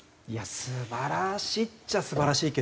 素晴らしいっちゃ素晴らしいけど。